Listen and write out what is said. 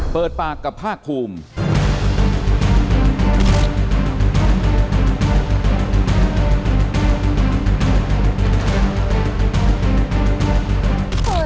เปิดปากกับภาคภูมิ